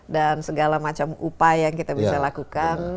dan segala macam upaya yang kita bisa lakukan